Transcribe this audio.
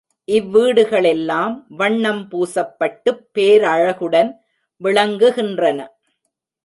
இவ் வீடுகளெல்லாம் வண்ணம் பூசப்பட்டுப் பேரழகுடன் விளங்குகின்றன.